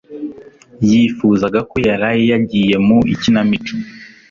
yifuzaga ko yaraye yagiye mu ikinamico